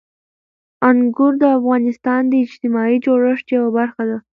انګور د افغانستان د اجتماعي جوړښت یوه برخه ده.